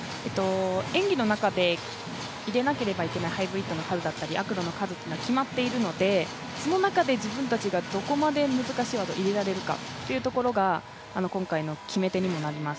演技の中で入れなければいけないハイブリッドの数だったりアクロの数っていうのは決まっているので、その中で自分たちがどこまで難しい技を入れられるかっていうところが今回の決め手にもなります。